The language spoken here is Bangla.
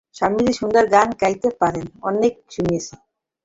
স্বামীজী সুন্দর গান গাহিতে পারেন, অনেকে শুনিয়াছেন।